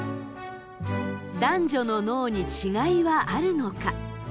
男女の脳に違いはあるのか。